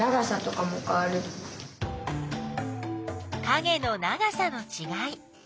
かげの長さのちがい。